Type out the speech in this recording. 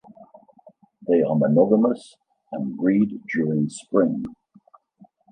They are monogamous and breed during spring.